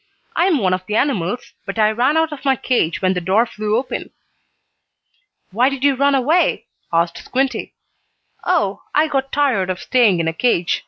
I am one of the animals, but I ran out of my cage when the door flew open." "Why did you run away?" asked Squinty. "Oh, I got tired of staying in a cage.